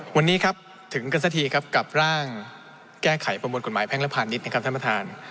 วันนี้ครับถึงกันสักทีครับกับร่างแก้ไขประมวลกฎหมายแพ่งและพาณิชย์นะครับท่านประธาน